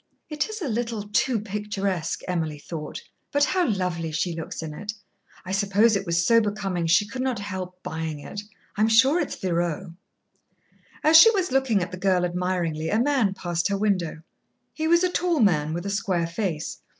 "It is a little too picturesque," Emily thought; "but how lovely she looks in it! I suppose it was so becoming she could not help buying it. I'm sure it's Virot." As she was looking at the girl admiringly, a man passed her window. He was a tall man with a square face.